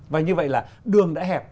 và như vậy là đường đã hẹp